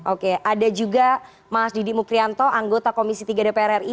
oke ada juga mas didi mukrianto anggota komisi tiga dpr ri